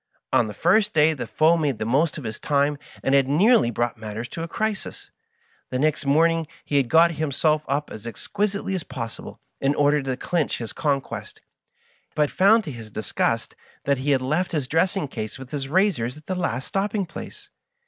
On the first day the foe made the most of his time, and had nearly brought matters to a crisis. The next morning he got himself up as exquisitely as possible, in order to clinch Digitized by VjOOQIC 152 M7 FASGINATIKG FRIEND. his conquest, bat found to his disgust that he had left his dressing case with his razors at the last stopping place.